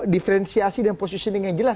diferensiasi dan positioning yang jelas